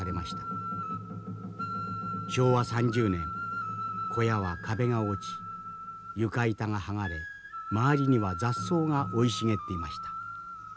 昭和３０年小屋は壁が落ち床板が剥がれ周りには雑草が生い茂っていました。